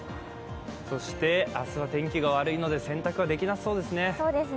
そして明日は天気が悪いので洗濯はできそうもないですね。